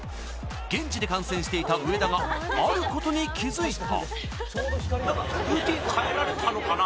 現地で観戦していた上田があることに気づいた。